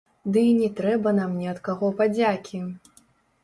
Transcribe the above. Ды і не трэба нам ні ад каго падзякі.